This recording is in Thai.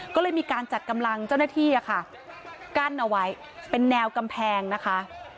ก็เลยมีการจัดกำลังเจ้าหน้าที่กั้นเอาไว้เป็นแนวกำแพงนะคะ